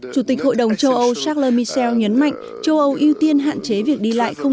chủ tịch hội đồng châu âu charles michel nhấn mạnh châu âu ưu tiên hạn chế việc đi lại không